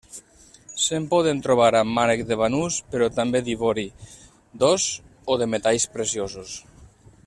Se'n poden trobar amb mànec de banús, però també d'ivori, d'os o de metalls preciosos.